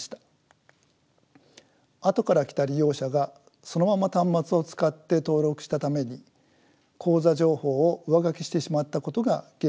後から来た利用者がそのまま端末を使って登録したために口座情報を上書きしてしまったことが原因です。